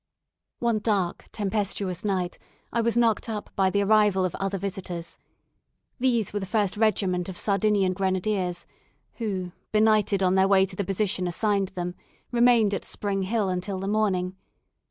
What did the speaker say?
One dark, tempestuous night, I was knocked up by the arrival of other visitors. These were the first regiment of Sardinian Grenadiers, who, benighted on their way to the position assigned them, remained at Spring Hill until the morning.